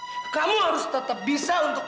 tunda tunda disini minat buat aku